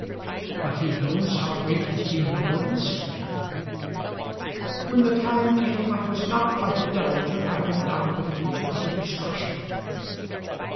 "But he knows how great has been your goodness to him." "When the time came I was not quite a devil to drag him down with me to utter destruction!"